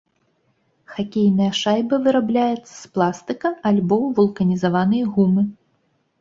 Хакейная шайба вырабляецца з пластыка або вулканізаванай гумы.